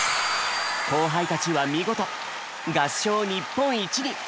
後輩たちは見事合唱日本一に！